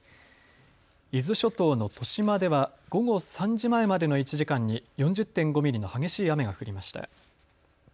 伊豆諸島の利島では午後３時前までの１時間に４０．５ミリの激しい雨が降りました。